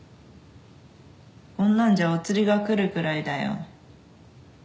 こんなんじゃお釣りがくるぐらいだよ。